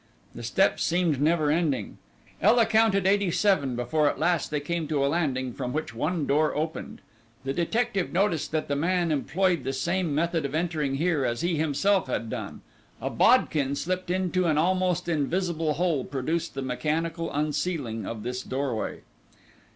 The steps seemed never ending. Ela counted eighty seven before at last they came to a landing from which one door opened. The detective noticed that the man employed the same method of entering here as he himself had done. A bodkin slipped into an almost invisible hole produced the mechanical unsealing of this doorway.